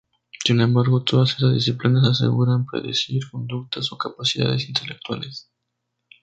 Sin embargo, todas estas disciplinas aseguran predecir conductas o capacidades intelectuales.